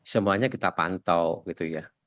semuanya kita pantau gitu ya